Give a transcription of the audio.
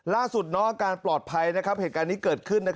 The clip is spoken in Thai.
ล่าสุดน้องอาการปลอดภัยเหตุการณ์นี้เกิดขึ้น